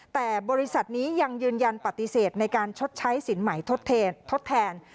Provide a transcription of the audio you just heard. แต่บริษัทนี้ยังยืนยันปฏิเสธในการชดใช้สินใหม่ทดแทน